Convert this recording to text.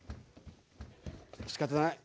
しかたない。